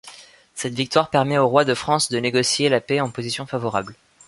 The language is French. Cette victoire permet au roi de France de négocier la paix en position favorable.